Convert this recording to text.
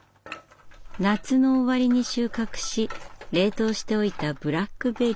夏の終わりに収穫し冷凍しておいたブラックベリー。